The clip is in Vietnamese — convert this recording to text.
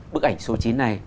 bức ảnh số chín này